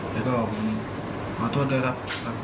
แล้วก็ขอโทษด้วยครับ